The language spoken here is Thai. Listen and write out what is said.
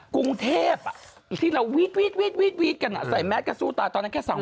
กรุงเทพที่เราวีดกันใส่แมสกระสู้ตายตอนนั้นแค่๒๐๐